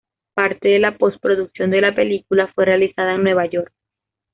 Parte de la posproducción de la película fue realizada en Nueva York.